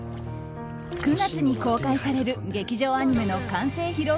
９月に公開される劇場アニメの完成披露